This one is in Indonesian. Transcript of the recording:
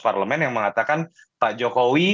parlemen yang mengatakan pak jokowi